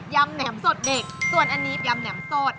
ำแหนมสดเด็กส่วนอันนี้ยำแหมสด